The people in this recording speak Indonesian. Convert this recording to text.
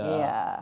itu hak milik